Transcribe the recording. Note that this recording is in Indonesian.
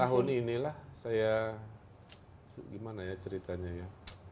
tahun inilah saya gimana ya ceritanya ya